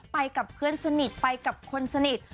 ไปกับเพื่อนสนิทไปกับคนสนิท